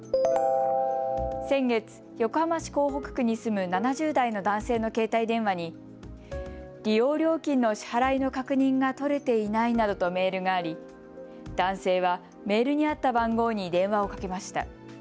先月、横浜市港北区に住む７０代の男性の携帯電話に利用料金の支払いの確認が取れていないなどとメールがあり男性はメールにあった番号に電話をかけました。